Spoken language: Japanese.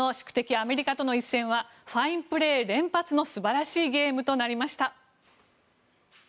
アメリカとの一戦はファインプレー連発の素晴らしいゲームとなりました。